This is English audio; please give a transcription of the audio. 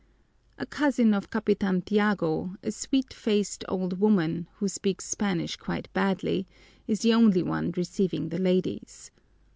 A cousin of Capitan Tiago, a sweet faced old woman, who speaks Spanish quite badly, is the only one receiving the ladies.